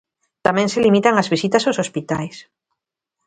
Tamén se limitan as visitas aos hospitais.